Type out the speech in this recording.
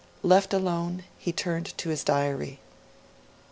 Left alone, he turned to his diary.